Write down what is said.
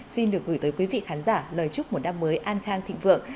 xin được gửi tới quý vị khán giả lời chúc một năm mới an khang thịnh vượng